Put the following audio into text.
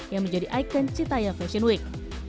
yang menjadi ikon citaya fashion week